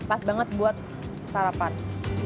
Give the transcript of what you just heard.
ini pas banget buat sarapan ya